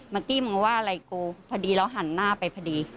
กี้มึงว่าอะไรกูพอดีเราหันหน้าไปพอดี